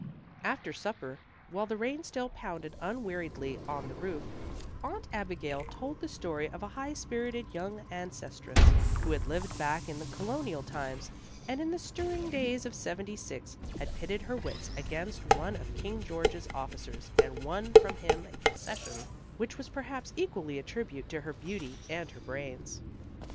After supper, while the rain still pounded unweariedly on the roof, Aunt Abigail told the story of a high spirited young ancestress, who had lived back in the colonial times, and in the stirring days of '76 had pitted her wits against one of King George's officers, and won from him a concession which was perhaps equally a tribute to her beauty and her brains.